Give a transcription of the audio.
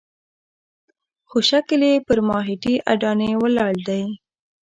خو شکل یې پر ماهیتي اډانې ولاړ دی.